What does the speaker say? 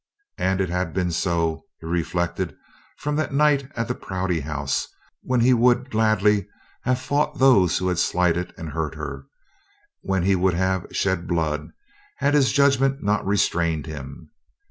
And it had been so, he reflected, from that night at the Prouty House when he would gladly have fought those who had slighted and hurt her, when he would have shed blood, had his judgment not restrained him.